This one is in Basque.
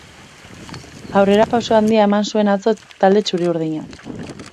Aurrerapauso handia eman zuen atzo talde txuri-urdinak.